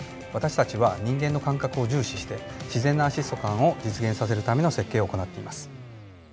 私たちは人間の感覚を重視して自然なアシスト感を実現させるための設計を行っています。